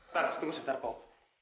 taras tunggu sebentar pak